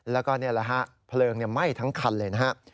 แล้วก็นี่แหละฮะเพลิงไหม้ทั้งคันเลยนะครับ